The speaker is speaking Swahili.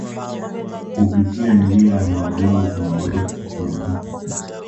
kupitia njia ya Morogoro kuna urefu wa kilomita